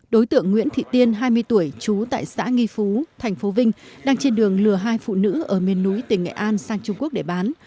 đối tượng nguyễn thị tiên hai mươi tuổi trú tại xã nghi phú tp vinh đang trên đường lừa hai phụ nữ ở miền núi tỉnh nghệ an sang trung quốc để bán